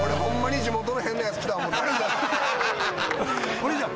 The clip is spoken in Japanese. お兄ちゃん。